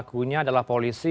penghidupannya adalah polisi